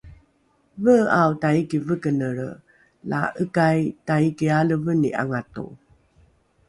vee’ao taiki vekenelre la ’ekai taiki aleveni ’angato